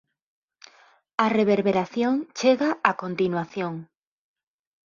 A reverberación chega a continuación.